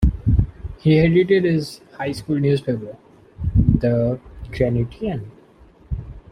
He edited his high school newspaper, "The Granitian".